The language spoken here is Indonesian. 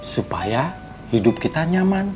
supaya hidup kita nyaman